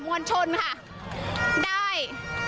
มวลชนค่ะได้